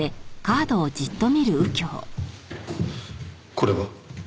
これは？